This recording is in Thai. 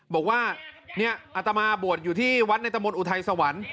บอกว่าเนี่ยอัตมาบวชอยู่ที่วัดในตะมนต์อุทัยสวรรค์